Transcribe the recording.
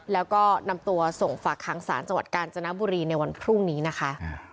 แล้วก็นำตัวส่งฝากค้างศาลจังหวัดกาญจนบุรีในวันพรุ่งนี้นะคะ